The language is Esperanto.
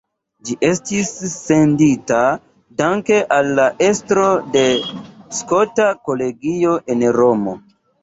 Ĝi estis sendita danke al la estro de la Skota Kolegio en Romo.